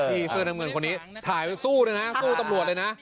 ดีฟื้นธรรมกันคนนี้สู้นะสู้ตำรวจเลยนะ